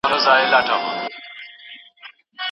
ديني عالمان د جرګي په څنډو کي خبري کوي.